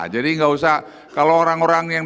jadi enggak usah kalau orang orang yang